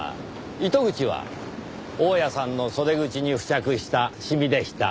糸口は大屋さんの袖口に付着したシミでした。